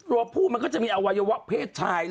ผู้มันก็จะมีอวัยวะเพศชาย